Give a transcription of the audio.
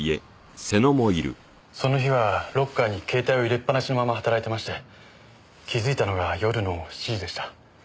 その日はロッカーに携帯を入れっぱなしのまま働いてまして気づいたのが夜の７時でした。